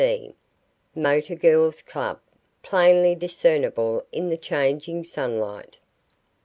G. C. (Motor Girls' Club), plainly discernible in the changing sunlight.